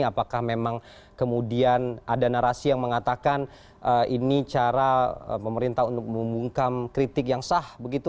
apakah memang kemudian ada narasi yang mengatakan ini cara pemerintah untuk membungkam kritik yang sah begitu